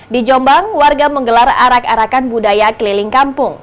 di jombang warga menggelar arak arakan budaya keliling kampung